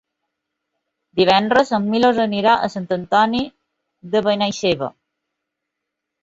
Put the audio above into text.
Divendres en Milos anirà a Sant Antoni de Benaixeve.